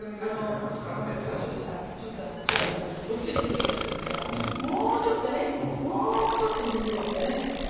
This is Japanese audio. おつゆ出てきちゃったけどもうちょっと煮るとよかったね。